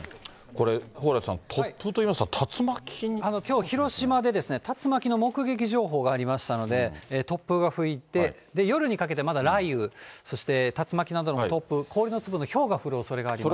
これ、蓬莱さん、きょう、広島で竜巻の目撃情報がありましたので、突風が吹いて、夜にかけてまだ雷雨、そして竜巻などの突風、氷の粒のひょうが降るおそれがあります。